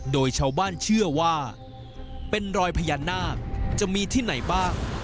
โดยชาวบ้านเชื่อว่าเป็นรอยพญานาคจะมีที่ไหนบ้าง